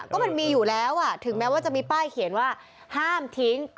ก็มันมีอยู่แล้วถึงแม้ว่าจะมีป้ายเขียนว่าห้ามทิ้ง